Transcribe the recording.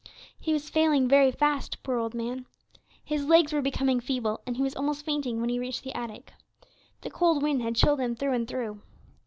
He was failing very fast, poor old man; his legs were becoming feeble, and he was almost fainting when he reached the attic. The cold wind had chilled him through and through.